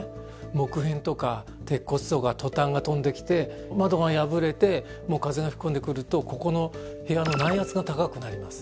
木片とか鉄骨とかトタンが飛んできて窓が破れて風が吹き込んでくるとここの部屋の内圧が高くなります。